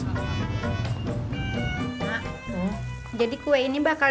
nah jadi kue ini bakal